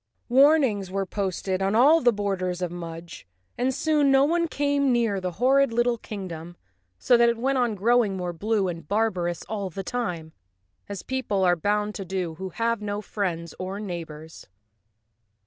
Warnings were posted on all the borders of Mudge and soon no one came near the horrid little kingdom, so that it went on growing more blue and barbarous all the time, as people are bound to do who have no friends or neighbors.